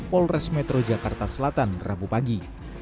polres metro jakarta selatan rabu pagi